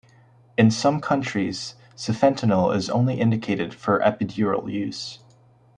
In some countries, sufentanil is only indicated for epidural use.